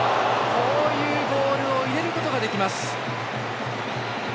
こういうボールを入れることができます。